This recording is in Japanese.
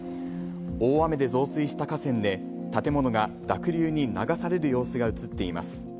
大雨で増水した河川で、建物が濁流に流される様子が写っています。